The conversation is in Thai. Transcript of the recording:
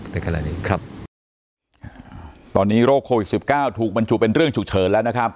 ตอนนี้โรคโควิด๑๙ถูกบรรจุเป็นเรื่องฉุกเฉินแล้วนะครับ